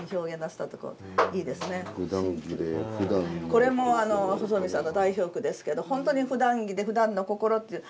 これも細見さんの代表句ですけど本当に「ふだん着でふだんの心」っていう。